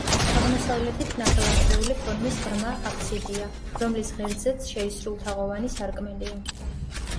აღმოსავლეთით ნახევარწრიული ფორმის ღრმა აბსიდია, რომლის ღერძზეც შეისრულთაღოვანი სარკმელია.